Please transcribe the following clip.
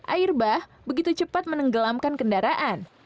air bah begitu cepat menenggelamkan kendaraan